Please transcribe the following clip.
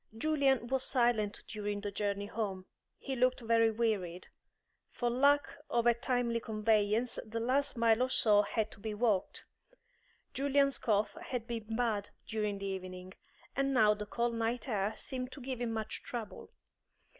Julian was silent during the journey home; he looked very wearied. For lack of a timely conveyance the last mile or so had to be walked. Julian's cough had been bad during the evening, and now the cold night air seemed to give him much trouble.